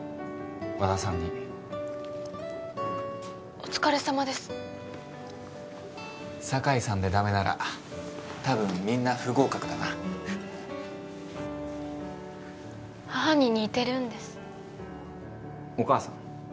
和田さんにお疲れさまです酒井さんでダメなら多分みんな不合格だな母に似てるんですお母さん？